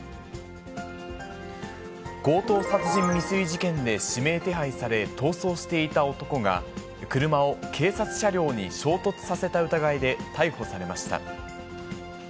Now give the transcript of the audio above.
強盗殺人未遂事件で指名手配され、逃走していた男が、車を警察車両に衝突させた疑いで逮捕されました。